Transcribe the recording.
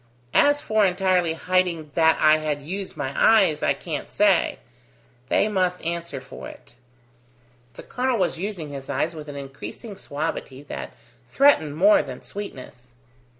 As for entirely hiding that I had used my eyes, I can't say: they must answer for it." The colonel was using his eyes with an increasing suavity that threatened more than sweetness.